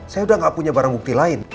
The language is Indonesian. saya udah gak punya barang bukti lain